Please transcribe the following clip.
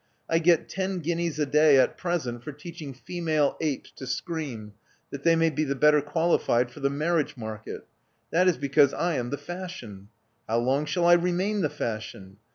I get ten guineas a day at present for teach ing female apes to scream, that they may be the better qualified for the marriage market. That is because I am the fashion. How long shall I remain the fashion?